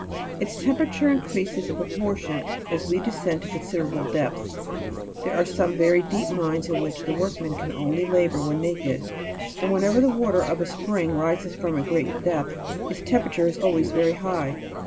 Its temperature increases in proportion as we descend to considerable depths ; there are some very deep mines in which the workmen can only labour when naked, and wherever the water of a spring rises from a great depth, its temperature is always very high.